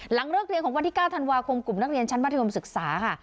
เลิกเรียนของวันที่๙ธันวาคมกลุ่มนักเรียนชั้นมัธยมศึกษาค่ะ